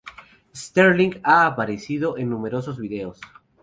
Sterling ha aparecido en numerosos vídeos.